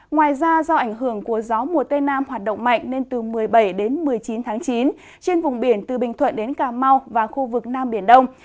ngoài ra do ảnh hưởng của gió mùa tây nam hoạt động mạnh nên từ một mươi bảy đến một mươi chín tháng chín trên vùng biển từ bình thuận đến cà mau và khu vực nam biển đông